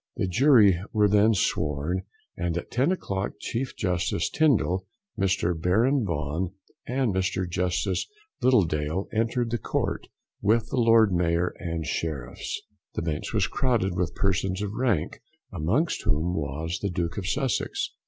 The Jury were then sworn, and at ten o'clock Chief Justice Tindal, Mr Baron Vaughan, and Mr Justice Littledale entered the Court, with the Lord Mayor and Sheriffs. The Bench was crowded with persons of rank, amongst whom was the Duke of Sussex.